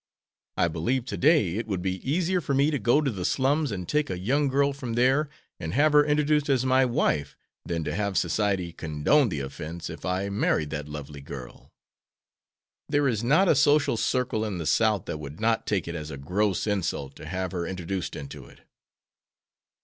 I believe to day it would be easier for me to go to the slums and take a young girl from there, and have her introduced as my wife, than to have society condone the offense if I married that lovely girl. There is not a social circle in the South that would not take it as a gross insult to have her introduced into it."